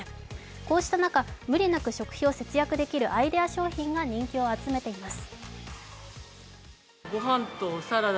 こうした中、無理なく食費を節約できるアイデア消費が人気を集めています。